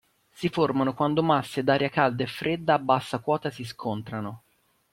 Si formano quando masse d'aria calda e fredda a bassa quota si scontrano.